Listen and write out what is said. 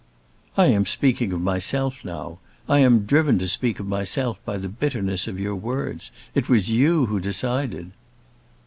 "I am speaking of myself now. I am driven to speak of myself by the bitterness of your words. It was you who decided."